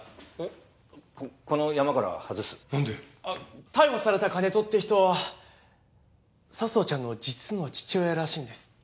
あっ逮捕された金戸って人は佐相ちゃんの実の父親らしいんです。